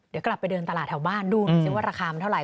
เดี๋ยวกลับไปเดินตลาดแถวบ้านดูหน่อยซิว่าราคามันเท่าไห